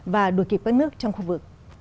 và đuổi kịp các nước trong khu vực